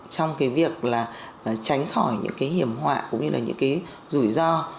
trong cái việc là tránh khỏi những cái hiểm họa cũng như là những cái rủi ro